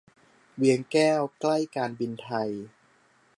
เวียงแก้ว ใกล้การบินไทย